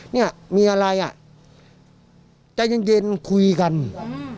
เนี้ยมีอะไรอ่ะใจเย็นเย็นคุยกันอืม